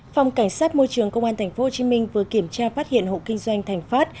phòng cảnh sát môi trường công an tp hcm vừa kiểm tra phát hiện hộ kinh doanh thành phát